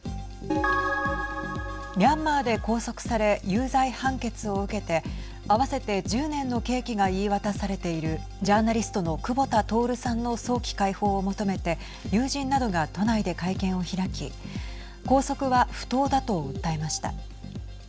ミャンマーで拘束され有罪判決を受けて合わせて１０年の刑期が言い渡されているジャーナリストの久保田徹さんの早期解放を求めて友人などが都内で会見を開き拘束は不当だと訴えました。